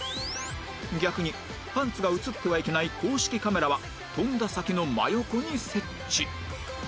逆にパンツが映ってはいけない公式カメラは跳んだ先の真横に設置